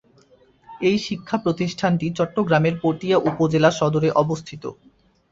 এই শিক্ষা প্রতিষ্ঠানটি চট্টগ্রামের পটিয়া উপজেলা সদরে অবস্থিত।